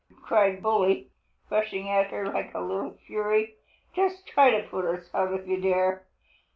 cried Bully, rushing at her like a little fury. "Just try to put us out if you dare!